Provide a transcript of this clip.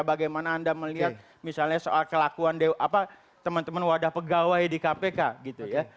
bagaimana anda melihat misalnya soal kelakuan teman teman wadah pegawai di kpk gitu ya